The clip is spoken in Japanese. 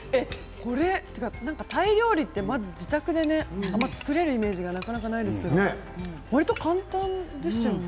タイ料理って自宅であまり作れるイメージがないですけれどわりと簡単でしたよね。